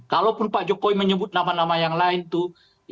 kalaupun pak jokowi menyebut nama nama yang lain tuh